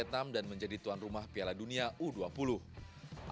indonesia juga akan mengikuti sea games di vietnam dan menjadi tuan rumah piala dunia u dua puluh